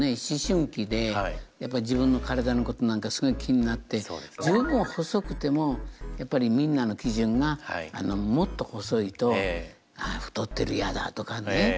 思春期でやっぱり自分の体のことなんかすごい気になって十分細くてもやっぱりみんなの基準がもっと細いとああ太ってるやだとかね。